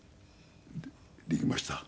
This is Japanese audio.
できました。